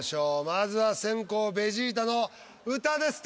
まずは先攻・ベジータの「歌」です。